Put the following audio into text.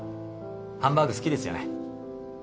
ハンバーグ好きですよね？